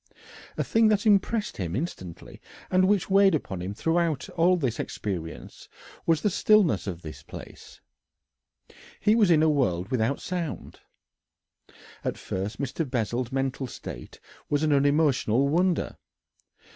A thing that impressed him instantly, and which weighed upon him throughout all this experience, was the stillness of this place he was in a world without sound. At first Mr. Bessel's mental state was an unemotional wonder.